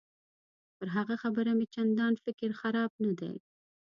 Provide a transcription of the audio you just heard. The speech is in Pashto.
پر هغه خبره مې چندان فکر خراب نه دی.